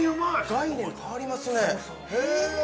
◆概念変わりますね。